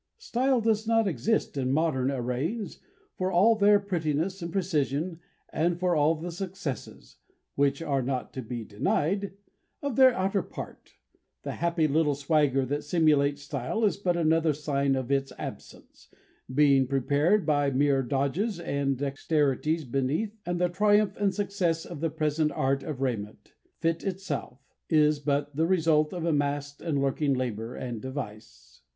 Style does not exist in modern arrayings, for all their prettiness and precision, and for all the successes which are not to be denied of their outer part; the happy little swagger that simulates style is but another sign of its absence, being prepared by mere dodges and dexterities beneath, and the triumph and success of the present art of raiment "fit" itself is but the result of a masked and lurking labour and device.